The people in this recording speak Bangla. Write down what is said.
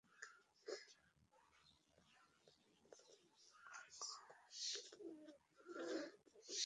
হামলাকারী ব্যক্তিরা তাঁদের টিনশেড ঘরের বেড়ায় ধারালো অস্ত্র দিয়ে এলোপাতাড়ি কোপায়।